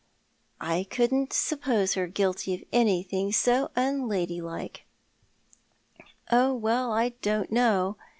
" I couldn't suppose her guilty of anything so unladylike." " Oh, well, I don't know.